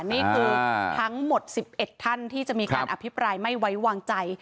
นี่คือทั้งหมด๑๑ท่านที่จะมีการอภิปรายไม่ไว้วางใจ